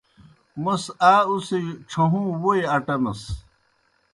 موْس آ اُڅِھجیْ ڇھہُوں ووئی اٹمِس۔